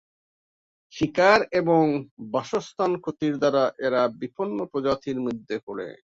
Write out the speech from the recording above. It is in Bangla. শিকার এবং বাসস্থান ক্ষতির দ্বারা এরা বিপন্ন প্রজাতির মধ্যে পরে।